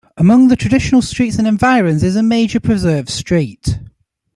Among the traditional streets, and environs is a major preserved street.